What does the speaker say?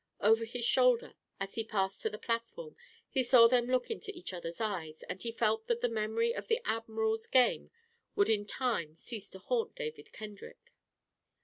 Over his shoulder, as he passed to the platform, he saw them look into each other's eyes, and he felt that the memory of the admiral's game would in time cease to haunt David Kendrick.